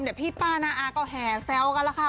เดี๋ยวพี่ป้านาอาก็แห่แซวกันแล้วค่ะ